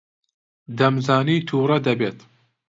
دەمزانی تووڕە دەبیت.